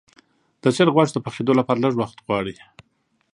د چرګ غوښه د پخېدو لپاره لږ وخت غواړي.